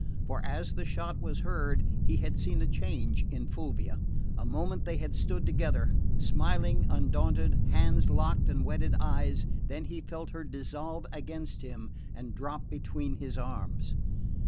For as the shot was heard he had seen a change in Fulvia. A moment they had stood together, smiling, undaunted, hands locked and wedded eyes, then he felt her dissolve against him and drop between his arms.